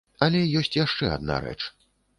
Але ёсць яшчэ адна рэч.